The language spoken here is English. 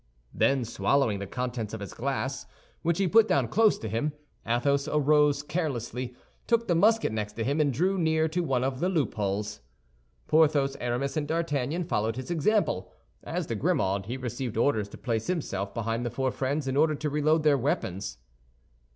Then, swallowing the contents of his glass, which he put down close to him, Athos arose carelessly, took the musket next to him, and drew near to one of the loopholes. Porthos, Aramis and D'Artagnan followed his example. As to Grimaud, he received orders to place himself behind the four friends in order to reload their weapons.